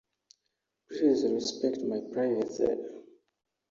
Please respect my privacy.